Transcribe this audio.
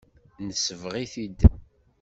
Nesbeɣ-it-id.